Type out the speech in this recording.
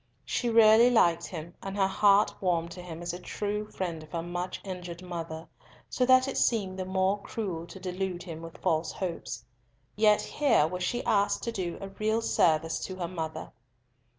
She really liked him, and her heart warmed to him as a true friend of her much injured mother, so that it seemed the more cruel to delude him with false hopes. Yet here was she asked to do a real service to her mother!